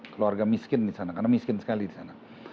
keluarga miskin di sana karena miskin sekali di sana